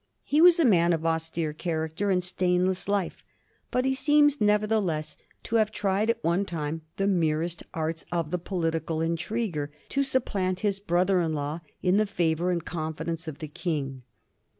He was a man of austere character and stainless life ; but he seems, nevertheless, to have tried at one time the merest arts of the political intriguer to supplant his brother in law in the favour and confidence of the King.